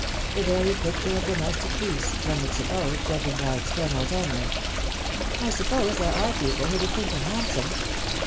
The very picture of domestic peace, one would suppose, judging by externals only. " I suppose there are people who would think him handsome."